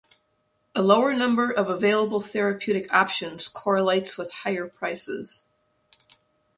A lower number of available therapeutic options correlates with higher prices.